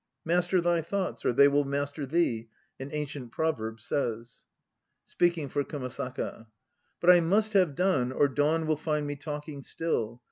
"Master thy thoughts, or they will master thee," An ancient proverb 3 says. (Speaking for Kumasaka.) "But I must have done, or dawn will find me talking still.